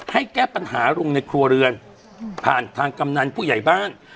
ให้แก้ปัญหาลุงในครัวเรือนผ่านทางกำนันผู้ใหญ่บ้าน